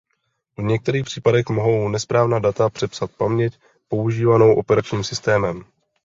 V některých případech mohou nesprávná data přepsat paměť používanou operačním systémem.